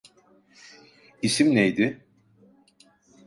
İsim neydi?